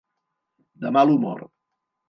De mal humor.